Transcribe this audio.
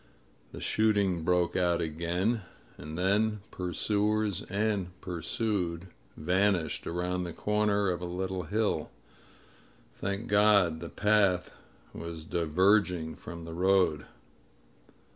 The shooting broke out again — and then pursuers and pursued vanished aroimd the comer of a little hill. Thank God the path was diverging from the road